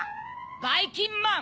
ばいきんまん！